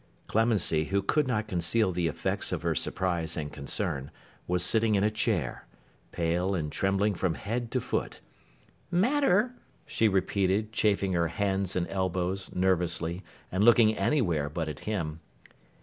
Clemency, who could not conceal the effects of her surprise and concern, was sitting in a chair: pale, and trembling from head to foot. 'Matter!' she repeated, chafing her hands and elbows, nervously, and looking anywhere but at him.